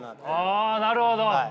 ああなるほど！